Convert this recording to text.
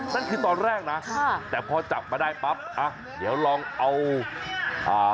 นั่นคือตอนแรกนะค่ะแต่พอจับมาได้ปั๊บอ่ะเดี๋ยวลองเอาอ่า